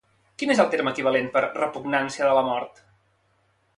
Quin és el terme equivalent per "repugnància de la mort"?